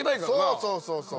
そうそうそうそう。